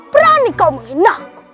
perani kau menghina aku